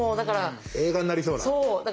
映画になりそうな。